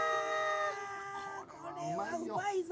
これはうまいよ。